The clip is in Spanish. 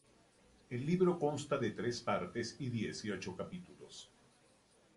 El libro consta de tres partes y dieciocho capítulos.